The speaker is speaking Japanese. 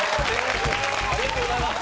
ありがとうございます。